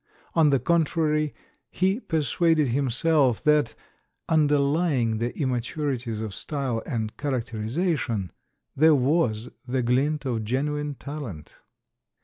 On the contrary, he persuaded himself that, under lying the immaturities of style and characterisa tion, there was the glint of genuine talent.